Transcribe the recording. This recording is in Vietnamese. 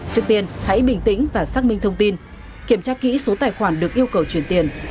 trước tiên hãy bình tĩnh và xác minh thông tin kiểm tra kỹ số tài khoản được yêu cầu chuyển tiền